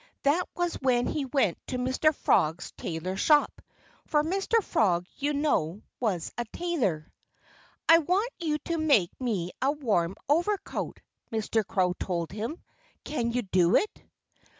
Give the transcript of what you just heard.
That was when he went to Mr. Frog's tailor's shop, for Mr. Frog, you know, was a tailor. "I want you to make me a warm overcoat." Mr. Crow told him. "Can you do it?"